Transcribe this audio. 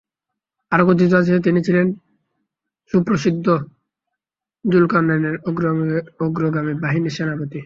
আরো কথিত আছে যে, তিনি ছিলেন সুপ্রসিদ্ধ যুল-কারনায়নের অগ্রগামী বাহিনীর সেনাপতি।